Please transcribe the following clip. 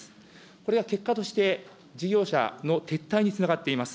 これは結果として、事業者の撤退につながっております。